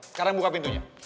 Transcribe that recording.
sekarang buka pintunya